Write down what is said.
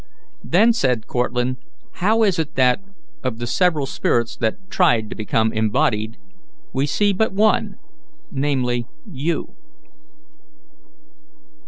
"Then," said Cortlandt, "how is it that, of the several spirits that tried to become embodied, we see but one, namely, you?"